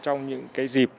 trong những cái dịp